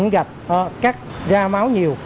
những gạch cắt ra máu nhiều